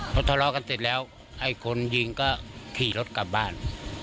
พอทะเลาะกันเสร็จแล้วไอ้คนยิงก็ขี่รถกลับบ้าน